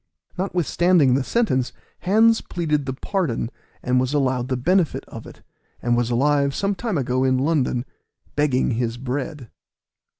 Notwithstanding the sentence, Hands pleaded the pardon, and was allowed the benefit of it, and was alive some time ago in London, begging his bread.